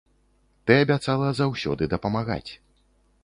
Ты абяцала заўсёды дапамагаць.